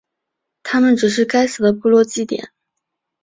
它们只是该死的部落祭典。